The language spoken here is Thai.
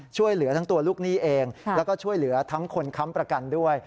ช่วยเหลือทั้งตัวลูกหนี้เองแล้วก็ช่วยเหลือทั้งคนค้ำประกันด้วย